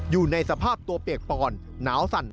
อยู่ในสภาพตัวเปียกปอนหนาวสั่น